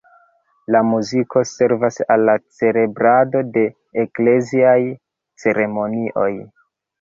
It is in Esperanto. La muziko servas al la celebrado de ekleziaj ceremonioj.